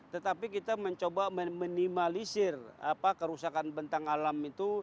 tetapi kita mencoba meminimalisir kerusakan bentang alam itu